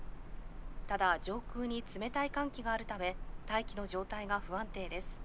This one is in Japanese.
ただ上空に冷たい寒気があるため大気のじょうたいがふ安定です。